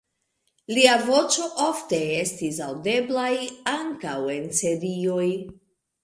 Lia voĉo ofte estis aŭdeblaj ankaŭ en serioj.